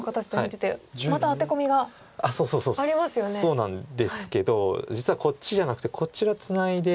そうなんですけど実はこっちじゃなくてこちらツナいで。